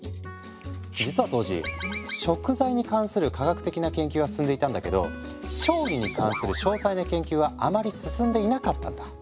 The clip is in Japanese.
実は当時「食材」に関する科学的な研究は進んでいたんだけど「調理」に関する詳細な研究はあまり進んでいなかったんだ。